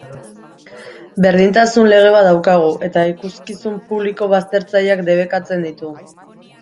Berdintasun lege bat daukagu, eta ikuskizun publiko baztertzaileak debekatzen ditu.